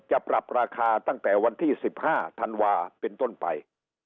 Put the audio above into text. จะปรับราคาตั้งแต่วันที่๑๕ธันวาเป็นต้นไป